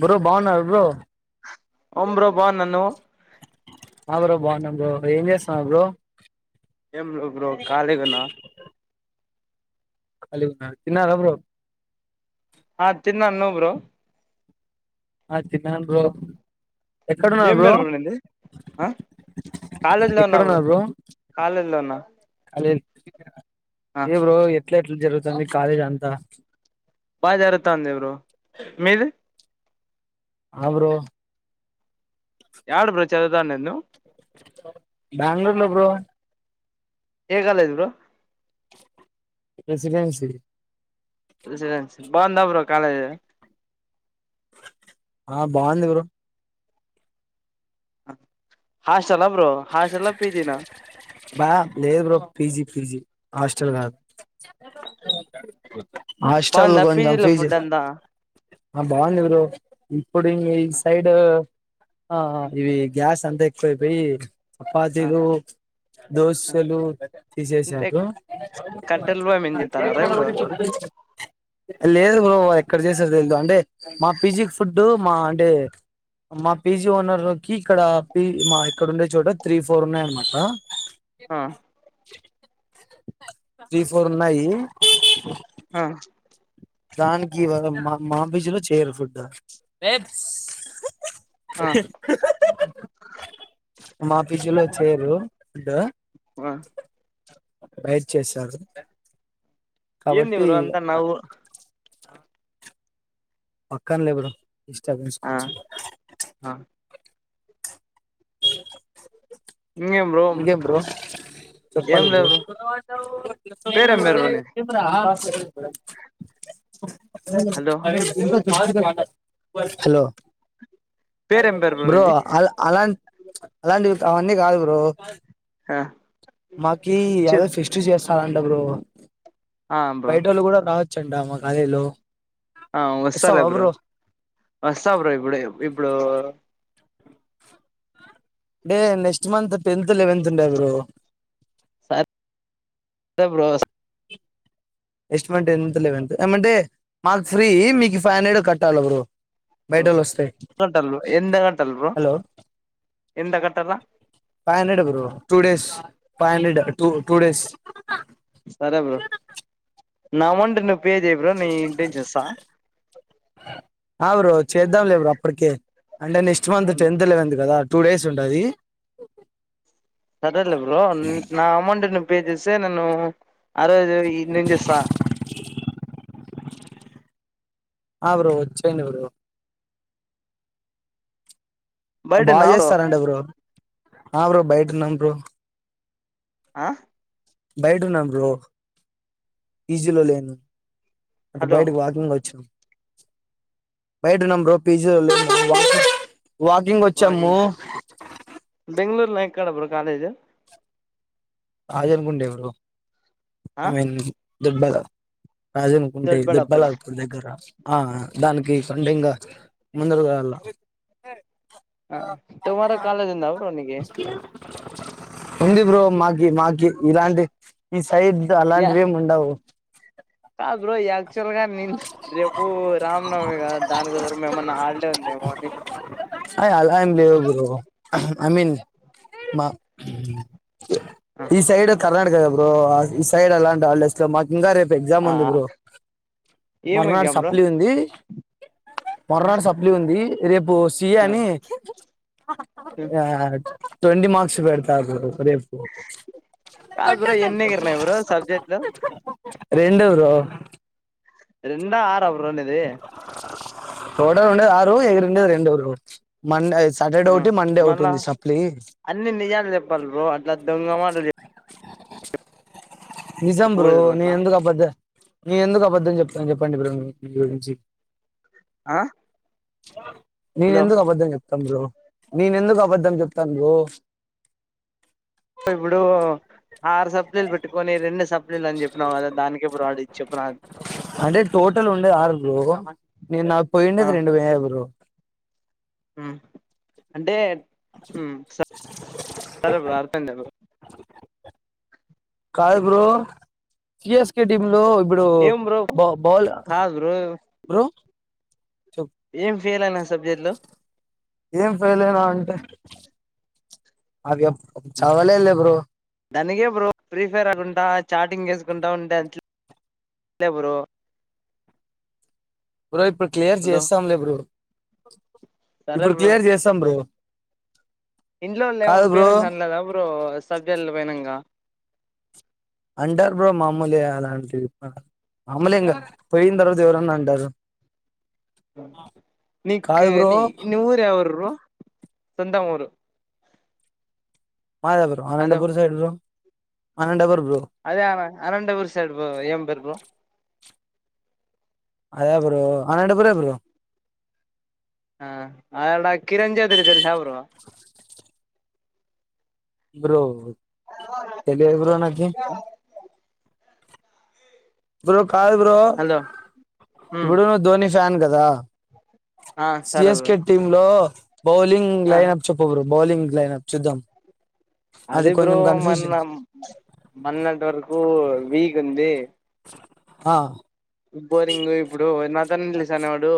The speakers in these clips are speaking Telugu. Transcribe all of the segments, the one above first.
బ్రో బాగున్నార బ్రో ఓంబ్రో బన్నాన్ నువు బ బ్రో బాగున్నా బ్రో ఏం చేస్తున్నార్ బ్రో ఎమ్ లే బ్రో కాళిగున్న తిన్నవ బ్రో ఆ తిన్నాన్ నువ్ బ్రో ఆ తిన్నాన్ బ్రో ఎక్కడున్నారు ఏం బ్రో బేర్ బ్ర నింది ఆ కాలేజ్ లో ఉన్న బ్రో కాలేజ్ లో ఉన్న [inaudible] ఏ బ్రో ఎట్లాట్ జరు తన్ని కాల జంత బాగా జరుగుతాంది బ్రో మీది అ బ్రో యాడ్ బ్రో చదవతాండేది నువ్ బ్యాంగ్లోర్ లో బ్రో ఏ కాలేజీ బ్రో ప్రెసిడెన్సి రెసిడెన్స్ బాందా బ్రో కాలేజ్ ఆ బాగుంది బ్రో హాస్ చల బ్రో హాస్టేలా పీజీ న బా లేదు బ్రో పీజీ పీజీ హాస్టల్ కాదు హాస్టల్ బాగుందా కొంచం పీజీలో ఫీజు ఫుడ్ అంతా ఆ బాగుంది బ్రో ఇప్పుడు ఈ సైడ్ ఆ ఇవి గ్యాస్ అంతే పోయిపోయి ఆ చపాతీలు దోశలు అంటే తీసేసారు కట్టెల పొయ్యి మీన తింటన్నారా ఇప్పుడు లేదు బ్రో ఎక్కడ చేసారు తెలు అంటే మా పిజీ ఫుడ్ డు మా అంటే మా పీజీ ఓనర్ కి ఇక్కడ పి మా ఇక్కడ ఉండే చోట త్రీ ఫోర్ ఉన్నాయ్ అనమాట ఆ త్రీ ఫోర్ ఉన్నాయి ఆ దానికి మా మా పిజులో చేయాలి ఫుడ్ ఆ మా ఫీజు లో చేరు ఫుడ్ ఆ బైట్ చేశారు ఏంది బ్రో అంతనవు ఆ పక్కన లే బ్రో డిస్టర్బెన్స్ ఆ కొంచిం ఆ ఇ ఇంకేం బ్రో ఇంకెం బ్రో చెప్పాల ఏం లేదు బ్రో పేరేం పేరు బ్రో నీది బ్రో హలో అదే హలో పేరేం పేరు బ్రో నీది అల్ అలా అలాంటివి అవన్నీ కాదు బ్రో [unintelligible] ఆ మాకి చు యాదో ఫెస్టివ్ చాస్ ఆ అంట బ్రో ఆ బ్రో బయటోళ్లు కూడా రా చెండా మా గాయలో ఆ వస్తాలే బ్రో వస్తా బ్రో ఇప్పుడే ఇప్పుడు day next month tenth eleventh ఉండే bro [unintelligible] bros estimate tenth eleventh ఏమంటే మాకు ఫ్రీ మీకు ఫైవ్ హండ్రెడ్ కట్టాల బ్రో బయటోళ్ళు వస్తే [unintelligible] ఎంత కట్టాల్ బ్రో హలో ఎంత కట్టాల five hundred bro two days five hundred two two days సరే బ్రో నామంట్ [unintelligible] పే చెయ్ బ్రో నే ఇంటెం చేస్తా ఆ బ్రో చేద్దాం లే బ్రో అప్పటికే అంటే next month tenth eleventh కదా టూ డేస్ ఉంటది సరేలే బ్రో నా అమౌంట్ ని పే జేసే నన్ను అరోజు ఈడ్నించిస్సా ఆ బ్రో వచ్చేయండి బ్రో బయట బా ఉన్నావా చేస్తారంట బ్రో ఆ బ్రో బయటున్నాం బ్రో ఆ బయటున్నాం బ్రో పీజీలో లేను అంటే హలో బయటకి వాకింగ్ వచ్చినం బయటున్నాం బ్రో పీజీలో లేము [inaudible] వాకింగ్ వచ్చాము బెంగ్ళూర్ లో ఎక్కడ బ్రో కాలేజ్ రాజన్గుండె బ్రో ఆ అమెన్ని దొబ్డ రాజమకుంటే దొడ్బళ్ళాపుర దుడ్బల్లాపూర్ దగ్గర ఆ ఆ దానికి సండేంగ ముందరగా లా ఆ టుమారో కాలేజ్ ఉందా బ్రో నీకి ఉంది బ్రో మా మాకి ఇలాంటి ఈ సైడ్ అలాంటివి ఏమి ఉండవు కా బ్రోజ యాక్చువల్ గా నేను రేపు రామ్నవమి కాద దానికోసర మేమన్నా హాడలే ఉందేమో అని అ అలాం ఎం లేవు బ్రో ఐ మీన్ మా ఈ సైడ్ కర్ణాటకద ఇప్పుడు ఈ సైడ్ అలాంటి ఆళ్లెస్ లో మ ఇంకా రేపు ఎగ్జామ్ ఆ ఉంది బ్రో ఏమంగ్య మర్నాడు బ్రో సప్లి ఉంది మొరనాడు సప్లి ఉంది రేపు ఇయాని ఆ ట్వంటీ మార్క్స్ బేడతారు ఇపరిత కాదు బ్రో ఎన్ని ఇకర్ ని బ్రో సబ్జెక్ట్ లు రెండు బ్రో రెండా ఆరో బ్రో నీది రోట ఉండేది ఆరు ఎగిరు ఉండేది రెండు బ్రో మండే వెస్ ఆ మళ్ళా అన్ని నిజాలు చెప్పాలి బ్రో అట్లా దొంగమాటలు చెప్ నిజం బ్రో చెప్పకూడదు నేను అట్లా ఎందుకు అబద్ద్ద న ఎందుకు అబద్ద్దం చెప్తాను చెప్పండి బ్రో గురించిీ ఆ నేను హలో ఎందుకు అబద్ధం చెప్తాను కాదు బ్రో నేన ఎందుకు అబద్ధం చెప్తాను బ్రో ఇప్పుడు ఆరు సప్లైలు పెట్టుకొని రెండు సప్లీలు అని చెప్పినావు కదా దానికే బ్రో ఆడు ఇది చెప్పిన అంటే టోటల్ ఉండేది ఆరు బ్రో అ నేను నాకు ఆ పోయిండేది రెండు వయ్యవరు బ్రో అంటే స సరే బ్రో అర్తంద బ కాయ్ బ్రో సిఎస్కే టీమ్ లో ఇప్పుడు ఏం బ్రో బా బాల్ కాదు బ్రో బ్రో చెప్ ఏం ఫెయిల్ అయిన సబ్జెక్టులో ఏం ఫయిలనా అంటే అవి చవలేదు లె బ్రో దానికె బ్రో ఫ్రీ ఫైర్ అకుంటా చాటింగ్ చేసుకుంటా ఉంటే అట్లే బ్రో బ్రో ఇప్పుడు క్లియర్ హలో చేస్తాంలే బ్రో ఇప్పుడు క్లియర్ చేస్తాం బ్రో ఇంట్లో వాళ్ళ ఏమో కాదు బ్రో పేరెంట్స్ అనలేదా బ్రో సబ్జెక్ట్ పోయినాంక అంటర్ బ్రో మామూలే అలాంటివి మామూలే ఇంగ పోయిన తర్ ఎవరన్నా అంటారు నీకు కాదు బ్రో ని ని ఊరు ఎవరు బ్రో సొంతం ఊరు మాదే bro hello Anantapur side bro అనటడబుర్ అదే అ అనంతపూర్ సైడ్ బ్రో ఏం పేరు బ్రో అదే బ్రో అనంటపూరే బ్రో ఆ అడ కిరణ్ చౌదరి తెలుస బ్రో బ్రో తెలియదు బ్రో నాకీ బ్రో కాదు బ్రో హలో ఉమ్ ఇప్పుడు ను ధ్వని చాన్ కదా ఆ సి ఎస్ సరే బ్రో ఎస్కె టీమ్ లో బౌలింగ్ ఆ లైన్ అప్ చెప్ప్రు బ్రో బౌలింగ్ లైన్ప్ చూద్దాం అది బ్రో కొంచెం మన్న కన్ఫ్యూజన్ మన్నటి వరకు వీక్ ఉంది ఆ బోరింగ్ ఇప్పుడు వెన్నాథ్ అతను లీసనే వాడు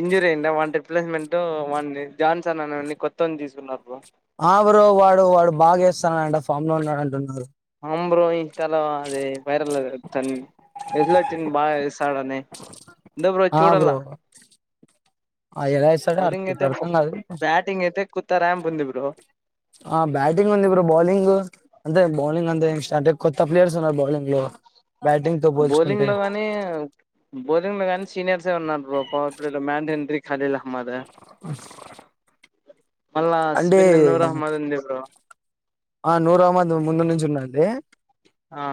ఇంజూరీ అయిండ వానీ రిప్లేస్మెంట్ వాని జాన్సన్ అనోని కొత్తని తీసుకున్నారు బ్రో ఆ బ్రో వాడు వాడు బాగా చేస్తననంట ఫామ్ లో ఉన్నాడు అంటున్నారు అం బ్రోయి తెలో అది వైరల్ తను ఎట్లా వచ్చింది బాగా ఇస్తాడని ఎంత బ్రో చూడాల ఆ ఎలా వేస్తాడో బౌలింగ్ అర్థం- అయితే ఇప్పుడు అర్థం కాదు బ్యాటింగ్ అయితే కుత్తర్యాంప్ ఉంది బ్రో బ్రో ఆ బ్యాటింగ్ ఉంది బ్రో బౌలింగ్ అంతే బౌలింగ్ అంతే ఏ స్టార్ట్ కొత్త ప్లేయర్స్ ఉన్నారు బౌలింగ్ లో బ్యాటింగ్ తో బౌలింగ్ లో పోల్చుకుంటే కానీ బౌలింగ్ లో కానీ సినియర్స్ ఏ ఉన్నారు ఓ పవర్ ప్లే లో మ్యాన్ ఎంట్రీక్స్ అదెలా అమ్మద మల్ల అంటే స్పిన్ నూరు మళ్ళుంది బ్రో ఆ నూరు అమద్ ముందు నుంచి ఉన్నడు లే ఆ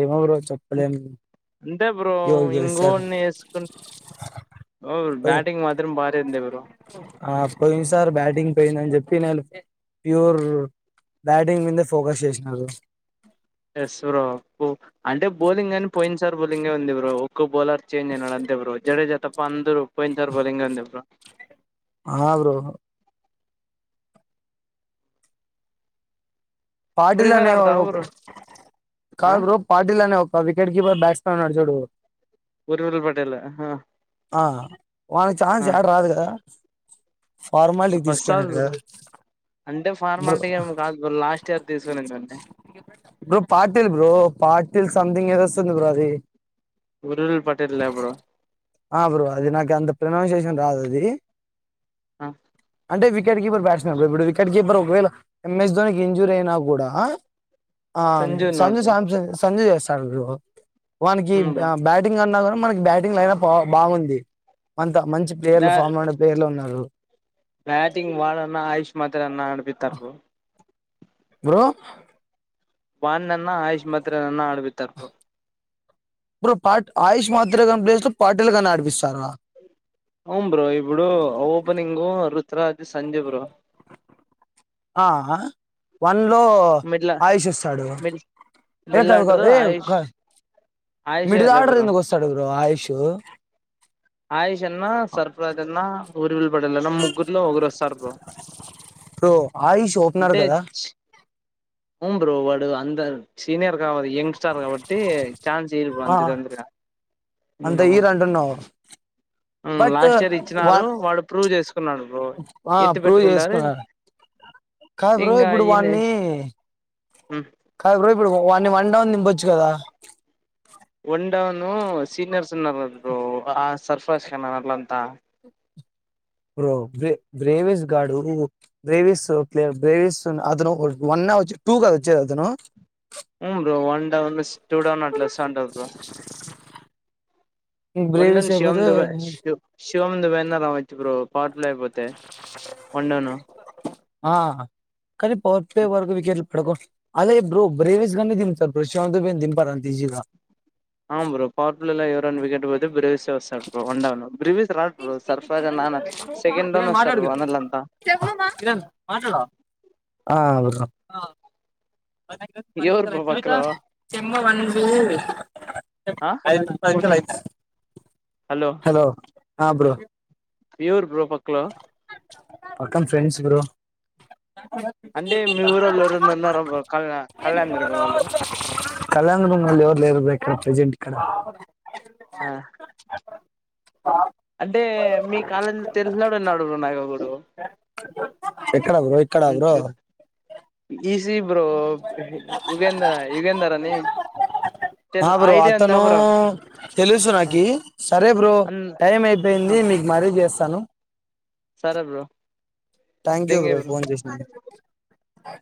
ఏమవరు చెప్పలేం అంతే బ్రో ఎవరు గెలుస్తారు ఇంగోన్ వేసుకున్ ఓ పోయి బ్యాటింగ్ మాత్రం బాన్ ఎంద్ ఎవరు ఆ పోయిన్ సార్ బ్యాటింగ్ పోయిందని చెప్పి నేను ప్యూర్ బ్యాటింగ్ మీదే ఫోకస్ చేసినారు ఎస్ బ్రో అంటే బౌలింగ్ అని పోయింది సార్ బౌలింగే ఉంది బ్రో ఒక్కో బౌలర్ చేంజ్ అయినాడు అంతే బ్రో జడేజ త పందరు పోయిన్ సారి బోలింగ్ అంతే బ్రో హా బ్రో ఫ్రీ పాటిల్ ఫైర్ అనే వోడు ఆడతావా బ్రో ఆ కాదు బ్రో పాటీల్ అనే ఒక్ ఒక వికెట్ కీపర్ బ్యాట్స్ మెన్ ఉన్నాడు చూడు ఉరుగుల పటేలా ఆ వాళ్ళకి ఛాన్స్ యాడ రాదు కదా ఫార్మాలిటీకి తీసుకెనడు వస్తాది కదా బ్రో అంటే బ్రో ఫార్మాలిటీ ఏం కాదు బ్రో లాస్ట్ ఇయర్ తీసుకునిందండి బ్రో పార్టిల్ బ్రో పాటిల్ సం ఇంకేందస్తది బ్రో అది ఉరుల్ పటేల్ల బ్రో ఆ బ్రో అది నాకు అంత ప్రనౌన్సయేషన్ రాదు అది ఆ అంటే వికెట్ కీపర్ బ్యాచ్ మెన్ ఇప్పుడు వికెట్ కీపర్ ేళ ఎం ఎస్ ధోని ఇంజూరీ అయినా కూడా ఆ ఉన్నాడు సంజు బ్రో శాంసంగ్ స్ సంజయ్ చేస్తార్ బ్రో వానికి హ్మ్ బ్రో బ్యాటింగ్ అన్నా కానా మనకి బటింగ్ లయినప్ బా బాగుంది అంత ప్లేయర్లు ఫామ్ లో ప్లేయర్లు ఉన్నారు బ్యాటింగ్ వాడన్న ఆయుష్ మాతరన్నా అన్నా అడిపితే అయిపోవు బ్రో వాణ్ణి అన్న ఆయుష్ మాత్రనన్న ఆడిపితే అయిపోవు ఇప్పుడు పా ఆయుష్ మాత్రగా ప్లేస్లు పాటిటీల్ గాన్ని ఆడిపిస్తస్తుా అవును బ్రో ఇప్పుడు ఓపనింగు రూత్ త్ర ది సంజు బ్రో ఆహ వా అలో మిడ్ల ఆయుష్ వస్తాడు మిడ్ ఏ మిడ్ కదు కాదు ఆర్డర్ ఏ ఆయుష్ ఆయుషే మిడి లే ఆర్డర్ బ్రో ఎందుకు వస్తాడు బ్రో ఆయుష్ ఆయుష్ అన్నా సర్ఫరాజ్ అన్నా ఊర్విల్ డల్ల ముగ్గురిలో ఒకరు వస్తారు బ్రో బ్రో ఆయుష్ ఓపెనర్ అంటే కదా చి అవును బ్రో వాడు అంద సీనియర్ ర్ యంగ్స్టార్ కాబట్టి చాన్స్ ఇవ్వరు బ్రో ఆ అంత తొందరగా అంత ఈర్ అంటున్నావు బట్ లాస్ట్ ఇయర్ ఇచ్చినారు వాడు ప్రూవ్ చేసుకున్నాడు బో ఆ ఎత్తి ప్రూవ్ పెట్టుకుంటారు చేసుకున్నారు కాదు బ్రో ఇంగా ఇప్పుడు ఈయన వాణ్ణి కాదు బ్రో ఇప్పుడు వన్ న్ని వన్ డౌన్ ది ఇవ్వొచ్చు కదా డను సీనియర్స్ ఉన్నారంట బ్రో ఆ సర్ఫజ్ హేన్ అల్లంతా బ్రో బే బ్రేవిీస్ గాడు బ్రేవిీస్ ప్ బ్రేవిస్ అతను వన్ అర్ వచ్చ టూ కాద వచ్చేది అతను వును బ్రో వన్ డౌ టూ డౌట్లస్ అట్ల వస్తంటది బ్రో ఇంక బ్రేవిస్ వండన్ శివ అయిపోతే దుబ శివ దుబాన్న రా చ్చు బ్రో పట్ అల అయిపోతే వండను ఆ కానీ పర్ ప వరకు వికెట్లు పడకో అదే బ్రో బ్రేవిస్ గన్ని దింపుతారు శివంత్ బాయ్ ని దింపరు అంత ఈజీ గా ఆవును బ్రో పవర్ ఫుల్ ల ఎవరన్న వికెట్ పోతే బ్రెవిస్ వస్తాడు బ్రో వండాలో బ్రెవిస్ రాడ్ కిరణ్ వస్తారు మాట్లాడు వనర్లంతా కిరణ్ మాట్లాడవ ఆ అవును బ్రో అనేకర్ ఎవరు పనిస్కర్ బ్రో ఎగ్విధ పక్కలో వంది ఆ ఐదు పది నిమిషాలు అయిపో ఒ ఆ బ్రో ఎప్పుడు బ్రో పక్కలో పక్కన ఫ్రెండ్స్ బ్రో అంటే మీ ఊరోళ్ళు ఎవరైనా ఉన్నర కళ్యాణ కళ్యాణదుర్గం వాళ్ళు లేదు బ్రే ఇక్కడ ప్రజెంట్ ఇక్కడ ఆ అంటే మీ కాలేజీ తెలిసినడు అన్నాడు బ్రో నా కూడడు ఎక్కడ బ్రో ఎక్కడ బ్రో ఈసీ బ్రో యుగేందర్ యుగేందర్ అని ఆ తెల్ బ్రో ఐడియా ఉందా అతను బ్రో తెలుసు ఆ! నాకి సరే బ్రో అన్ టైం ఆ! అయిపోయింది మీకు మరీ చేస్తా తను సరే bro thank you bro phone చేసినందు క్ ఆ